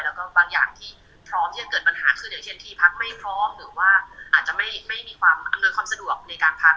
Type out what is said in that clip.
แล้วก็บางอย่างที่พร้อมที่จะเกิดปัญหาขึ้นอย่างเช่นที่พักไม่พร้อมหรือว่าอาจจะไม่มีความอำนวยความสะดวกในการพัก